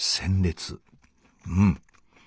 うん。